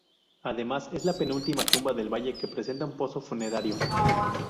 Además, es la penúltima tumba del valle que presenta un pozo funerario.